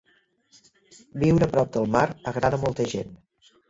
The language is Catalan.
Viure a prop del mar agrada a molta gent.